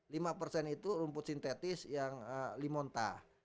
lima persen itu rumput sintetis yang limonta